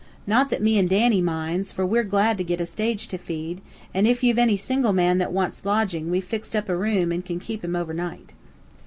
Not that me an' Danny minds, fur we're glad to git a stage to feed, an' ef you've any single man that wants lodgin' we've fixed up a room and kin keep him overnight."